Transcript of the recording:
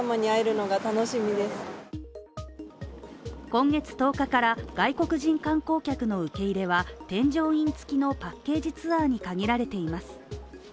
今月１０日から外国人観光客の受け入れは添乗員付きのパッケージツアーに限られています。